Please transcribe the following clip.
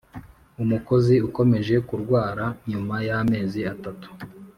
Umukozi ukomeje kurwara nyuma y amezi atatu